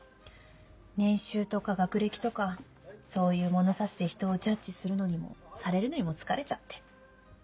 年収とか学歴とかそういう物差しで人をジャッジするのにもされるのにも疲れちゃって。